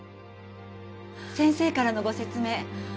先生からのご説明